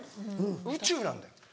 宇宙なんだよ。